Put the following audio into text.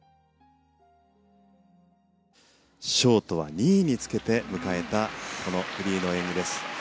ショートは２位につけて迎えたフリーの演技です。